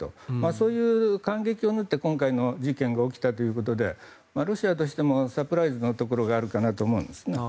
そういう間隙を縫って今回の事件が起きたということでロシアとしてもサプライズのところがあるかなと思うんですね。